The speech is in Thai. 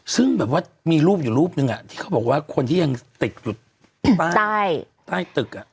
ซึ่งแบบว่ามีรูปอยู่รูปหนึ่งที่เขาบอกว่าคนที่ยังติดอยู่ใต้ตึก